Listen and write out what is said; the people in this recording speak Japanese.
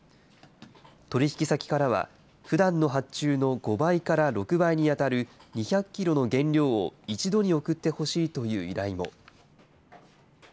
取り引き先からは、ふだんの発注の５倍から６倍に当たる２００キロの原料を一度に送ってほしいという依頼も。